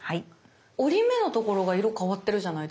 折り目のところが色変わってるじゃないですか。